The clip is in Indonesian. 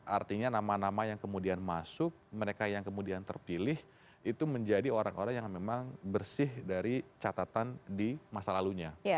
artinya nama nama yang kemudian masuk mereka yang kemudian terpilih itu menjadi orang orang yang memang bersih dari catatan di masa lalunya